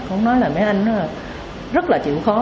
cũng nói là mấy anh rất là chịu khó